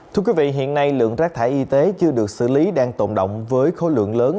thưa quý vị hiện nay lượng rác thải y tế chưa được xử lý đang tồn động với khối lượng lớn